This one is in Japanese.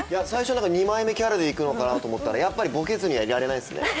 最初二枚目キャラでいくのかなと思ったらやっぱりボケずにはいられないですね。